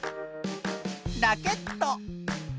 ラケット。